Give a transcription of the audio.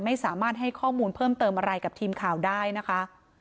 ไม่สามารถให้ข้อมูลเพิ่มเติมอะไรกับทีมข่าวได้นะคะ